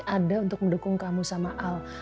ada untuk mendukung kamu sama al